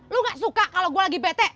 lu gak suka kalo gua lagi bete